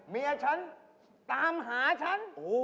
เมียฉันตามหาฉัน